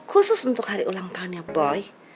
khusus untuk hari ulang tahun ya boy